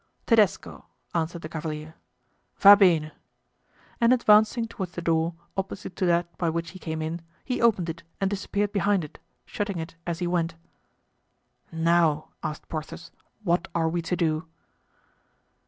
"Tedesco!" answered the cavalier; "va bene." And advancing toward the door opposite to that by which he came in, he opened it and disappeared behind it, shutting it as he went. "Now," asked Porthos, "what are we to do?"